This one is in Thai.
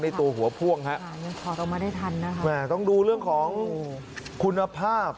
ในตัวหัวพ่วงฮะต้องดูเรื่องของคุณภาพ